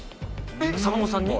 坂本さんに？